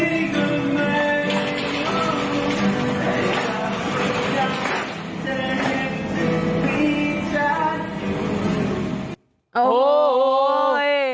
อยากจะยังจะมีฉันอยู่